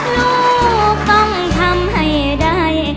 ลูกต้องทำให้ใด